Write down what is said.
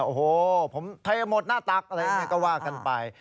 โอ้โหผมเทหมดหน้าตักอะไรอย่างนี้ก็ว่ากันไป